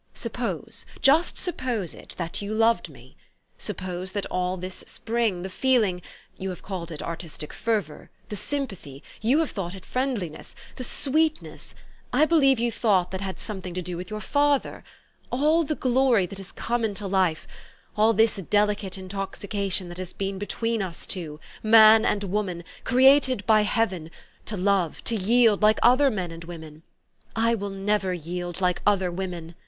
Suppose just suppose it that } T OU loved me. Suppose that all this spring, the feeling 3*011 have called it artistic fervor ; the sympathy you have thought it friendliness; the sweetness, I believe you thought that had some thing to do with your father; all the glory that has come into life ; all this delicate intoxication that has been between us two, man and woman, 122 THE STOKY OF AVIS. created by heaven, to love, to yield, like other men and women '' "I will never yield, like other women!